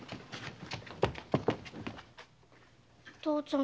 父ちゃん